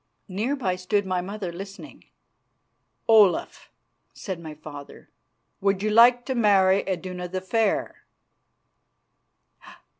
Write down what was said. Near by stood my mother, listening. "Olaf," said my father, "would you like to marry Iduna the Fair?"